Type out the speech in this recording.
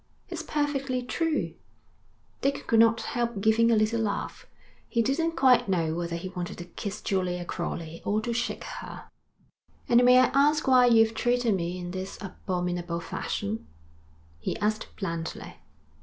'It's perfectly true.' Dick could not help giving a little laugh. He didn't quite know whether he wanted to kiss Julia Crowley or to shake her. 'And may I ask why you've treated me in this abominable fashion?' he asked blandly.